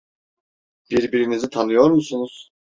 Birbirinizi tanıyor musunuz?